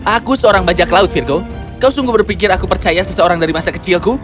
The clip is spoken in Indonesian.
aku seorang bajak laut virgo kau sungguh berpikir aku percaya seseorang dari masa kecilku